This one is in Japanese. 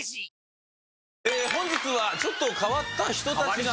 本日はちょっと変わった人たち。